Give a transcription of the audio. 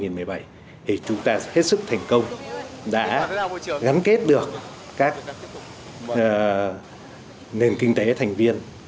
thì chúng ta hết sức thành công đã gắn kết được các nền kinh tế thành viên